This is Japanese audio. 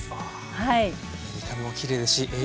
はい。